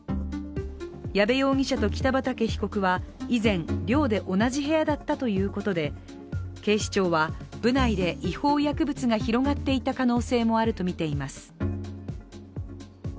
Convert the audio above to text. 矢部容疑者と北畠被告は以前、寮で同じ部屋だったということで警視庁は部内で違法薬物が広がっていた可能性もあるとみています。